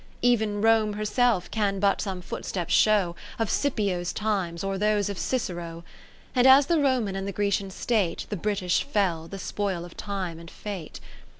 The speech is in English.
Ev'n Rome herself can but some footsteps show Of Scipio's times, or those of Cicero. ..\nd as the Roman and the Grecian State, The British fell, the spoil of Time and Fate.